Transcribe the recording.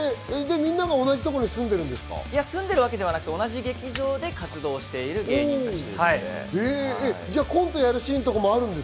みんなが同じところに住んでいるわけではなくて、同じ劇場で一緒にやってるんです。